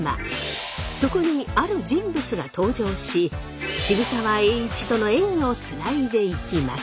そこにある人物が登場し渋沢栄一との縁をつないでいきます。